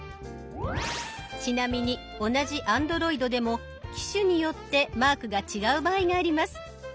ちなみに同じＡｎｄｒｏｉｄでも機種によってマークが違う場合があります。